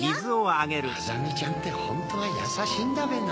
あざみちゃんってホントはやさしいんだべな